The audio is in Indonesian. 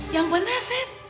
yang bener seb